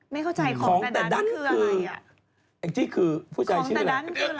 ไม่เข้าใจของแต่ดันคืออะไรอ่ะ